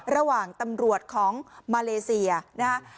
ระหว่างตำรวจของมาเลเซียนะฮะ